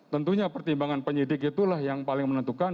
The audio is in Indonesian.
tentunya pertimbangan penyidik itulah yang paling menentukan